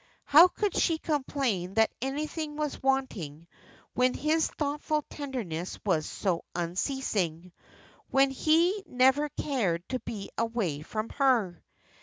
How could she complain that anything was wanting when his thoughtful tenderness was so unceasing? when he never cared to be away from her?